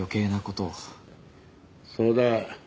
そうだ。